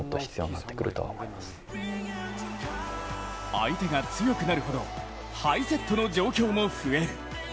相手が強くなるほどハイセットの状況も増える。